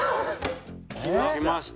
きました。